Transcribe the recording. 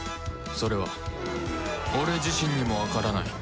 それは俺自身にもわからない